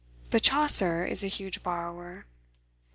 But Chaucer is a huge borrower.